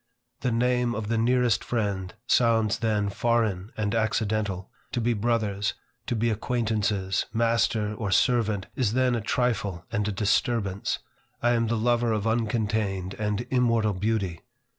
The name of the nearest friend sounds then foreign and accidental: to be brothers, to be acquaintances, master or servant, is then a trifle and a disturbance. I am the lover of uncontained and immortal beauty.